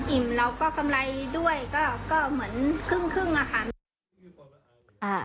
อิ่มแล้วก็กำไรด้วยก็เหมือนครึ่งครึ่งอะค่ะ